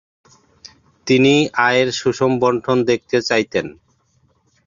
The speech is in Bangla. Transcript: তিনি আয়ের সুষম বণ্টন দেখতে চাইতেন।